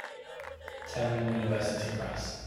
Tehran University Press.